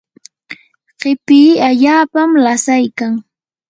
qipi allaapam lasaykan.